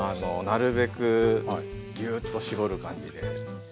なるべくギューッと絞る感じで。